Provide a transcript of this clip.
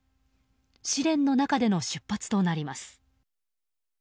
試練の中での出発となります。